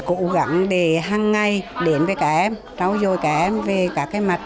cố gắng để hằng ngày đến với các em tráo dồi các em về các cái mặt